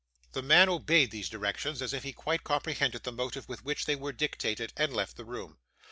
The man obeyed these directions as if he quite comprehended the motive with which they were dictated, and left the room.